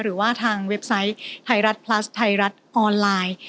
หรือว่าทางเว็บไซต์ไทยรัฐพลัสไทยรัฐออนไลน์